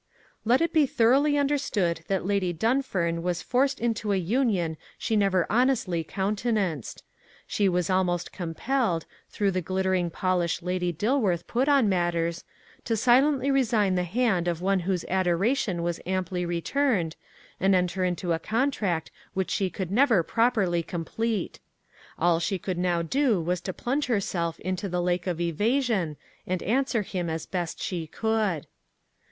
Let it be thoroughly understood that Lady Dunfern was forced into a union she never honestly countenanced. She was almost compelled, through the glittering polish Lady Dilworth put on matters, to silently resign the hand of one whose adoration was amply returned, and enter into a contract which she could never properly complete. All she could now do was to plunge herself into the lake of evasion and answer him as best she could.